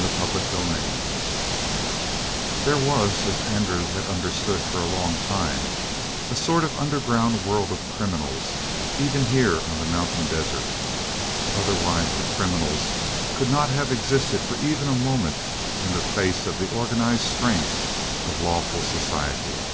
CHAPTER 33 There was, as Andrew had understood for a long time, a sort of underground world of criminals even here on the mountain desert. Otherwise the criminals could not have existed for even a moment in the face of the organized strength of lawful society.